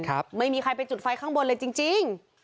ไม่มีใครไปจุดไฟข้างบนเลยจริงจริง